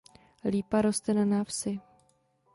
Lípa roste na návsi.